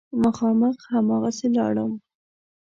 مخامخ هماغسې لاړم.